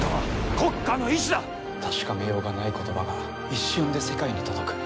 確かめようがない言葉が一瞬で世界に届く。